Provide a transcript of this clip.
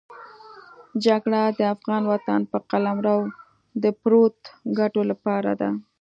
جګړه د افغان وطن پر قلمرو د پردو ګټو لپاره ده.